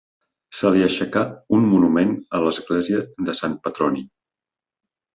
Se li aixecà un monument a l'església de Sant Petroni.